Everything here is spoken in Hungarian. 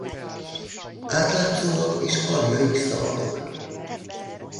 Átlátszóak és karjaik szabadok.